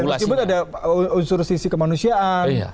ada unsur sisi kemanusiaan